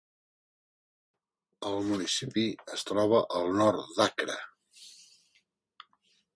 El municipi es troba al nord d"Accra.